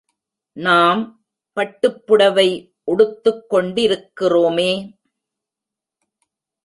நாம் பட்டுப் புடவை உடுத்துக் கொண்டிருக்கிறோமே!